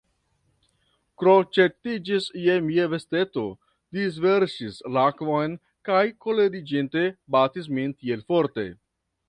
Kroĉetiĝis je mia vesteto, disverŝis la akvon kaj koleriĝinte batis min tiel forte.